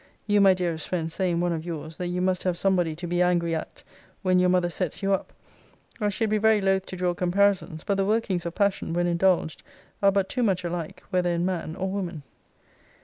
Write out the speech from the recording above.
You, my dearest friend, say, in one of yours,* that you must have somebody to be angry at, when your mother sets you up. I should be very loth to draw comparisons; but the workings of passion, when indulged, are but too much alike, whether in man or woman.